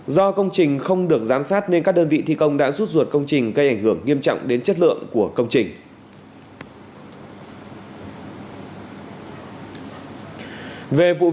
do công trình không được giám sát nên các đơn vị thi công đã rút ruột công trình gây ảnh hưởng nghiêm trọng đến chất lượng của công trình